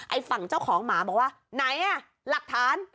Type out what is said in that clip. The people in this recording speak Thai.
ฝั่งเจ้าของหมาบอกว่าไหนอ่ะหลักฐาน